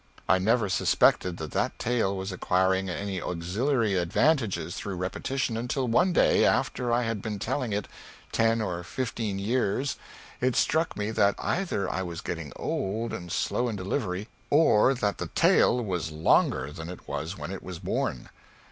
I never suspected that that tale was acquiring any auxiliary advantages through repetition until one day after I had been telling it ten or fifteen years it struck me that either I was getting old, and slow in delivery, or that the tale was longer than it was when it was born.